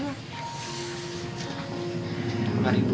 selamat malam ibu